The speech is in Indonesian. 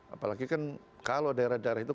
apalagi kan kalau daerah daerah itu